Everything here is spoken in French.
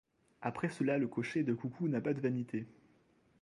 Après cela le cocher de coucou n’a pas de vanité !